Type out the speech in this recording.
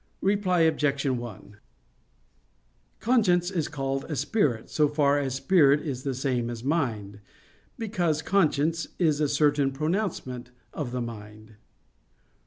Reply Obj. 1: Conscience is called a spirit, so far as spirit is the same as mind; because conscience is a certain pronouncement of the mind.